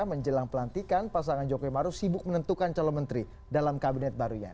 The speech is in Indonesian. menjelang pelantikan pasangan jokowi maruf sibuk menentukan calon menteri dalam kabinet barunya